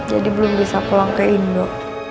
jadi belum bisa pulang ke indo